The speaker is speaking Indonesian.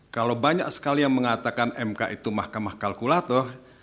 kalau banyak sekali yang mengatakan mk itu mahkamah kalkulator